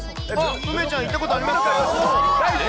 梅ちゃん、行ったことありますか？